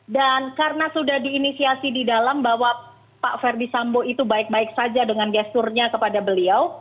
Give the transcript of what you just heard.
dan karena sudah diinisiasi di dalam bahwa pak ferdisambo itu baik baik saja dengan gesturnya kepada beliau